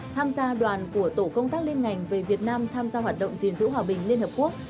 tham gia đoàn của tổ công tác liên ngành về việt nam tham gia hoạt động gìn giữ hòa bình liên hợp quốc